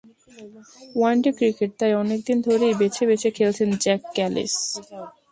One day cricket তাই অনেক দিন ধরেই বেছে বেছে খেলছেন জ্যাক ক্যালিস।